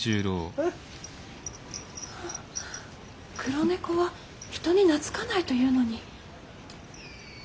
黒猫は人に懐かないというのに。